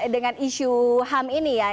dengan isu ham ini ya